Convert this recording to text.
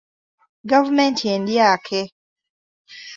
Gavumenti endyake.